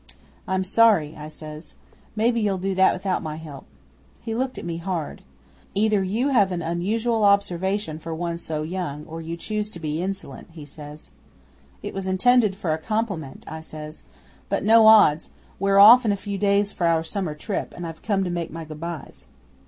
'"I'm sorry," I says. "Maybe you'll do that without my help." 'He looked at me hard. "Either you have unusual observation for one so young, or you choose to be insolent," he says. '"It was intended for a compliment," I says. "But no odds. We're off in a few days for our summer trip, and I've come to make my good byes."